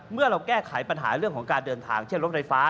เมื่อเราแก้ไขปัญหาเรื่องของการเดินทางเช่นรถไฟฟ้า